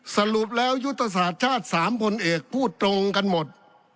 สรุปแล้วยุทธศาสตร์ชาติ๓พลเอกพูดตรงกันหมด